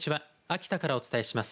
秋田からお伝えします。